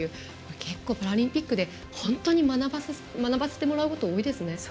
結構パラリンピックで本当に学ばせてもらうこと多いですね。